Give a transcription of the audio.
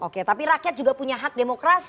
mereka juga punya hak demokrasi